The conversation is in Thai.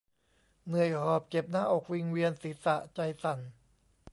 เหนื่อยหอบ เจ็บหน้าอก วิงเวียนศีรษะ ใจสั่น